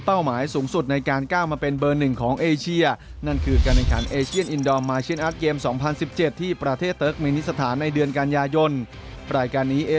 เพราะมั่งวางจะคว้าแชมป์รายการนี้ให้ด้วยเช่นกัน